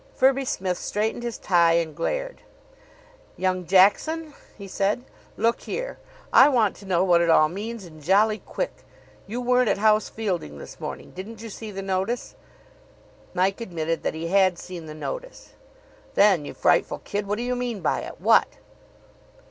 Firby Smith straightened his tie, and glared. "Young Jackson," he said, "look here, I want to know what it all means, and jolly quick. You weren't at house fielding this morning. Didn't you see the notice?" Mike admitted that he had seen the notice. "Then you frightful kid, what do you mean by it? What?"